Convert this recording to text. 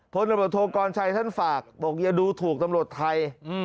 พลตำรวจโทกรชัยท่านฝากบอกอย่าดูถูกตำรวจไทย